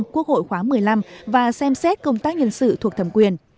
quốc hội khóa một mươi năm và xem xét công tác nhân sự thuộc thẩm quyền